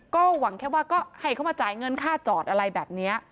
ก็หวังแค่ว่าก็ให้เขามาจ่ายเงินค่าจอดอะไรแบบนี้